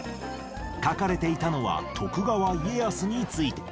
書かれていたのは、徳川家康について。